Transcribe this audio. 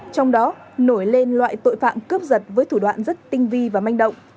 trong đó nổi lên loại tội phạm cướp giật với thủ đoạn rất tinh vi và manh động